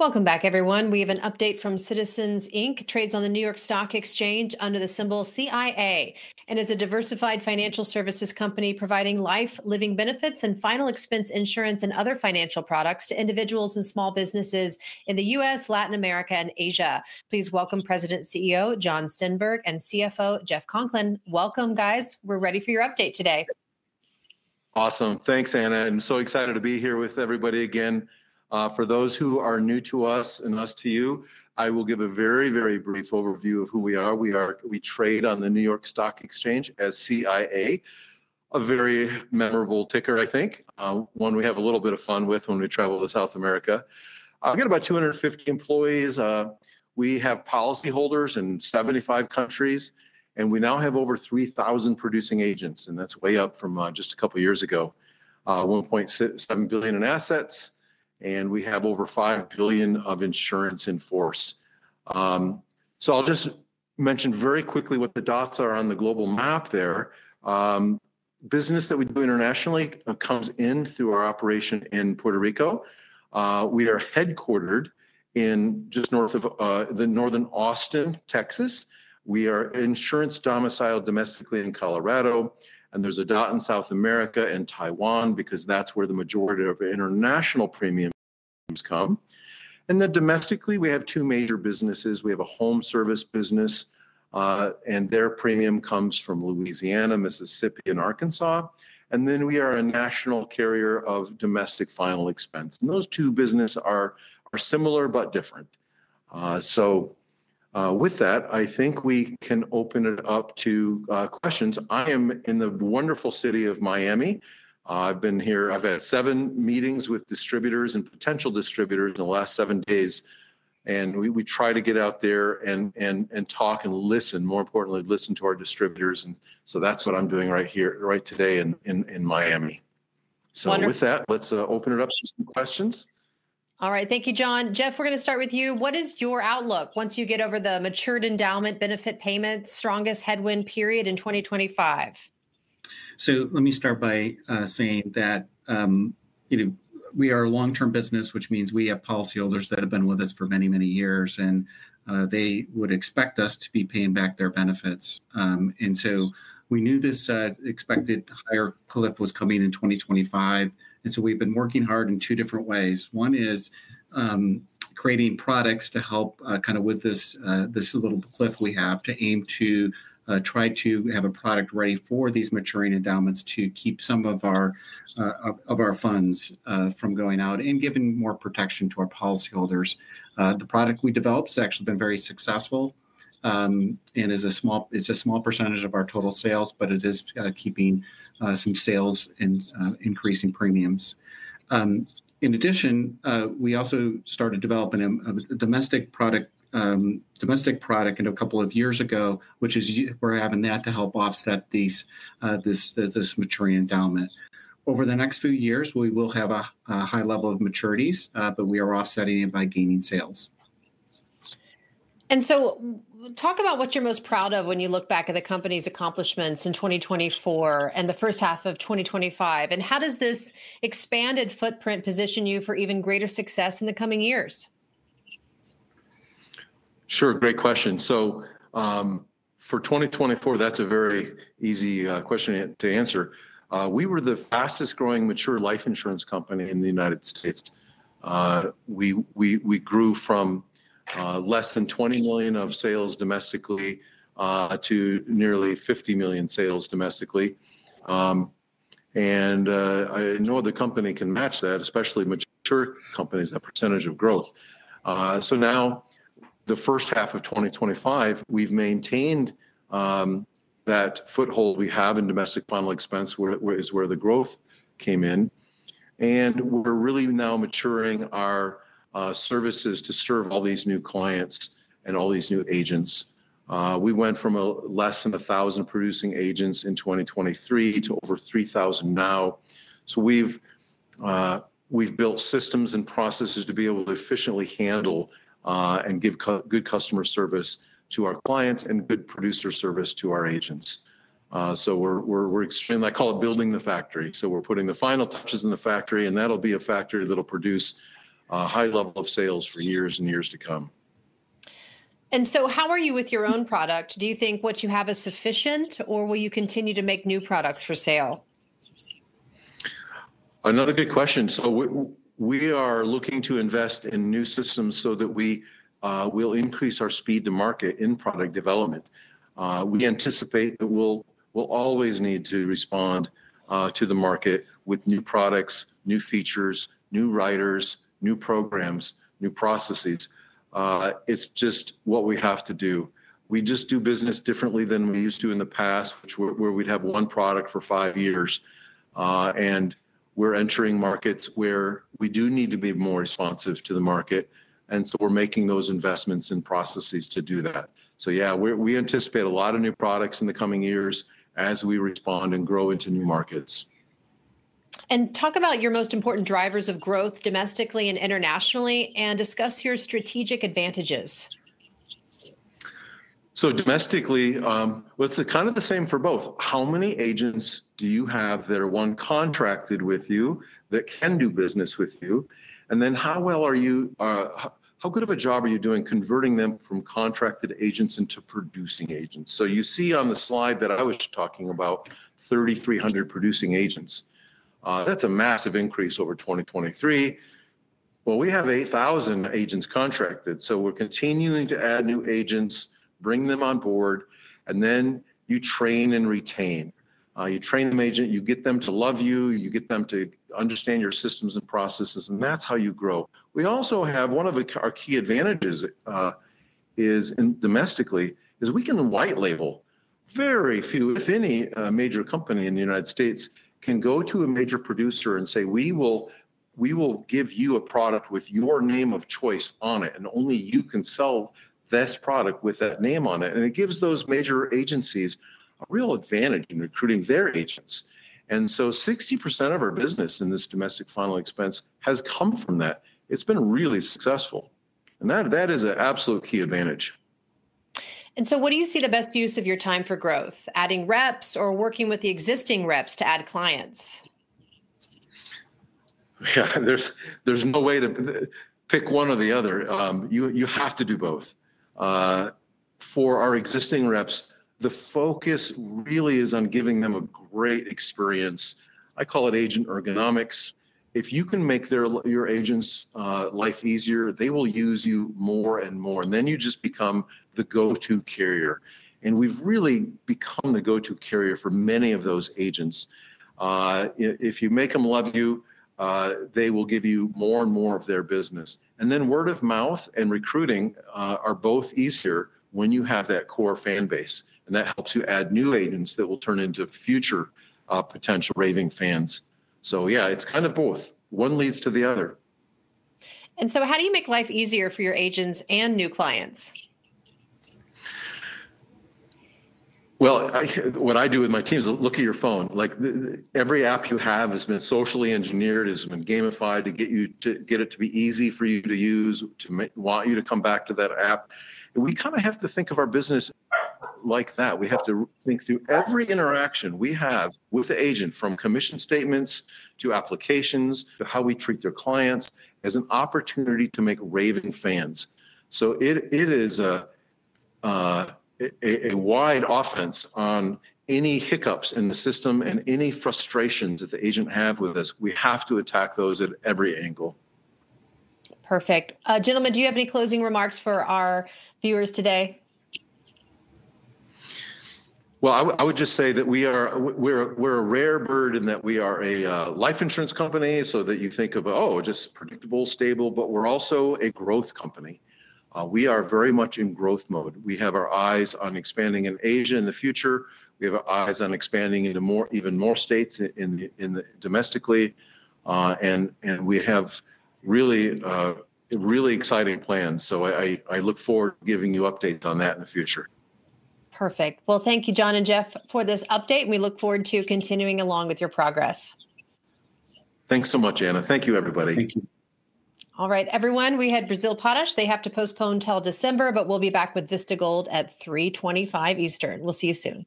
Welcome back, everyone. We have an update from Citizens Inc. Trades on the New York Stock Exchange under the symbol CIA. It is a diversified financial services company providing life, living benefits, and final expense insurance and other financial products to individuals and small businesses in the U.S., Latin America, and Asia. Please welcome President, CEO Jon Stenberg, and CFO Jeff Conklin. Welcome, guys. We're ready for your update today. Awesome. Thanks, Anna. I'm so excited to be here with everybody again. For those who are new to us and us to you, I will give a very, very brief overview of who we are. We trade on the NYSE as CIA, a very memorable ticker, I think, one we have a little bit of fun with when we travel to South America. We've got about 250 employees. We have policyholders in 75 countries, and we now have over 3,000 producing agents, and that's way up from just a couple of years ago, $1.7 billion in assets, and we have over $5 billion of insurance in force. I'll just mention very quickly what the dots are on the global map there. Business that we do internationally comes in through our operation in Puerto Rico. We are headquartered just north of northern Austin, Texas. We are insurance domiciled domestically in Colorado, and there's a dot in South America and Taiwan because that's where the majority of international premiums come. Domestically, we have two major businesses. We have a home service business, and their premium comes from Louisiana, Mississippi, and Arkansas. We are a national carrier of domestic final expense. Those two businesses are similar but different. With that, I think we can open it up to questions. I am in the wonderful city of Miami. I've been here. I've had seven meetings with distributors and potential distributors in the last seven days, and we try to get out there and talk and, more importantly, listen to our distributors. That's what I'm doing right here, right today in Miami. With that, let's open it up to some questions. All right. Thank you, Jon. Jeff, we're going to start with you. What is your outlook once you get over the matured endowment benefit payment strongest headwind period in 2025? Let me start by saying that we are a long-term business, which means we have policyholders that have been with us for many, many years, and they would expect us to be paying back their benefits. We knew this expected higher cliff was coming in 2025, and we've been working hard in two different ways. One is creating products to help with this little cliff we have to aim to try to have a product ready for these maturing endowments to keep some of our funds from going out and giving more protection to our policyholders. The product we developed has actually been very successful and is a small percentage of our total sales, but it is keeping some sales and increasing premiums. In addition, we also started developing a domestic product a couple of years ago, which is we're having that to help offset this maturing endowment. Over the next few years, we will have a high level of maturities, but we are offsetting it by gaining sales. Talk about what you're most proud of when you look back at the company's accomplishments in 2024 and the first half of 2025. How does this expanded footprint position you for even greater success in the coming years? Sure. Great question. For 2024, that's a very easy question to answer. We were the fastest growing mature life insurance company in the United States. We grew from less than $20 million of sales domestically to nearly $50 million sales domestically. No other company can match that, especially mature companies, that percentage of growth. Now the first half of 2025, we've maintained that foothold we have in domestic final expense is where the growth came in. We're really now maturing our services to serve all these new clients and all these new agents. We went from less than 1,000 producing agents in 2023 to over 3,000 now. We've built systems and processes to be able to efficiently handle and give good customer service to our clients and good producer service to our agents. We're extremely, I call it building the factory. We're putting the final touches in the factory, and that'll be a factory that'll produce a high level of sales for years and years to come. How are you with your own product? Do you think what you have is sufficient, or will you continue to make new products for sale? Another good question. We are looking to invest in new systems so that we will increase our speed to market in product development. We anticipate that we'll always need to respond to the market with new products, new features, new writers, new programs, new processes. It's just what we have to do. We do business differently than we used to in the past, where we'd have one product for five years. We're entering markets where we do need to be more responsive to the market, and we're making those investments in processes to do that. We anticipate a lot of new products in the coming years as we respond and grow into new markets. Talk about your most important drivers of growth domestically and internationally and discuss your strategic advantages. Domestically, it's kind of the same for both. How many agents do you have that are contracted with you that can do business with you? How good of a job are you doing converting them from contracted agents into producing agents? You see on the slide that I was talking about, 3,300 producing agents. That's a massive increase over 2023. We have 8,000 agents contracted. We're continuing to add new agents, bring them on board, and then you train and retain. You train them, you get them to love you, you get them to understand your systems and processes, and that's how you grow. We also have, one of our key advantages domestically is we can white label. Very few, if any, major company in the United States can go to a major producer and say, we will give you a product with your name of choice on it, and only you can sell this product with that name on it. It gives those major agencies a real advantage in recruiting their agents. 60% of our business in this domestic final expense has come from that. It's been really successful. That is an absolute key advantage. What do you see the best use of your time for growth, adding reps or working with the existing reps to add clients? Yeah, there's no way to pick one or the other. You have to do both. For our existing reps, the focus really is on giving them a great experience. I call it agent ergonomics. If you can make your agents' life easier, they will use you more and more. You just become the go-to carrier. We've really become the go-to carrier for many of those agents. If you make them love you, they will give you more and more of their business. Word of mouth and recruiting are both easier when you have that core fan base. That helps you add new agents that will turn into future potential raving fans. Yeah, it's kind of both. One leads to the other. How do you make life easier for your agents and new clients? What I do with my team is look at your phone. Every app you have has been socially engineered, has been gamified to get it to be easy for you to use, to want you to come back to that app. We kind of have to think of our business like that. We have to think through every interaction we have with the agent, from commission statements to applications to how we treat their clients, as an opportunity to make raving fans. It is a wide offense on any hiccups in the system and any frustrations that the agent has with us. We have to attack those at every angle. Perfect. Gentlemen, do you have any closing remarks for our viewers today? I would just say that we're a rare bird in that we are a life insurance company, so that you think of, oh, just predictable, stable, but we're also a growth company. We are very much in growth mode. We have our eyes on expanding in Asia in the future. We have our eyes on expanding into even more states domestically, and we have really exciting plans. I look forward to giving you updates on that in the future. Perfect. Thank you, Jon and Jeff, for this update. We look forward to continuing along with your progress. Thanks so much, Anna. Thank you, everybody. Thank you. All right, everyone. We had Brazil Potash. They have to postpone until December, but we'll be back with Zesta Gold at 3:25 P.M. Eastern. We'll see you soon.